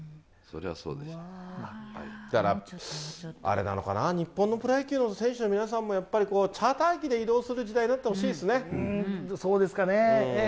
だから、あれなのかな、日本のプロ野球の選手の皆さんも、チャーター機で移動する時代になっそうですかね。